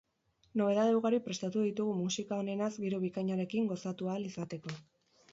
Nobedade ugari prestatu ditugu musika onenaz giro bikainarekin gozatu ahal izateko.